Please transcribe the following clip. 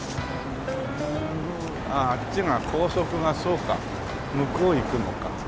あっちが高速がそうか向こう行くのか。